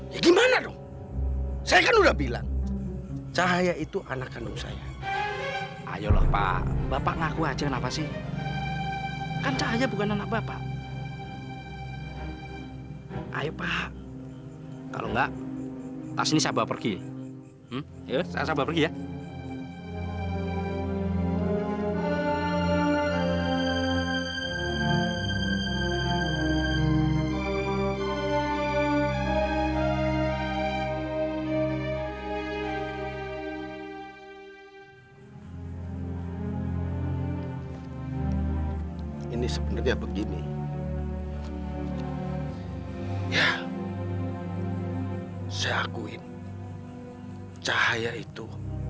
yaudah pak kalau begitu